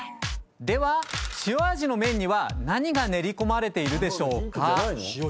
では塩味の麺には何が練り込まれているでしょうか？